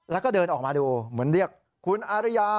แล้วก็เดินออกมาดูเหมือนเรียกคุณอาริยา